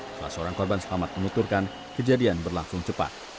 salah seorang korban selamat menuturkan kejadian berlangsung cepat